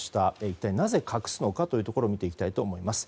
一体なぜ隠すのかというところを見ていきたいと思います。